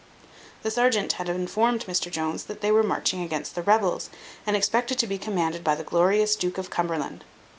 The serjeant had informed Mr Jones that they were marching against the rebels, and expected to be commanded by the glorious Duke of Cumberland.